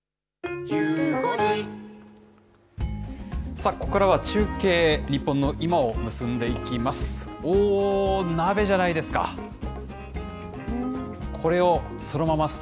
さあ、ここからは中継、日本の今を結んでいきます。